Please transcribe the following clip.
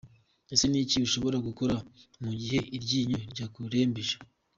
Ese ni iki ushobora gukora mu gihe iryinyo ryakurembeje?.